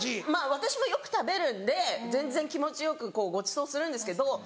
私もよく食べるんで全然気持ちよくごちそうするんですけど。